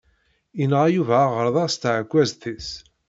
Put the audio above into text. Inɣa Yuba aɣerda s tɛekkazt-is.